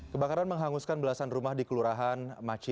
kebakaran menghanguskan belasan rumah di kelurahan maci